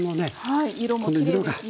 はい色もきれいですね。